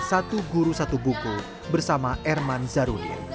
satu guru satu buku bersama erman zarudin